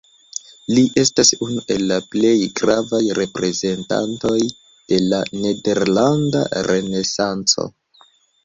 Li estas unu el la plej gravaj reprezentantoj de la nederlanda renesanco.